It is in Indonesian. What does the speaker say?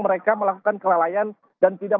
mereka melakukan kelalaian dan tidak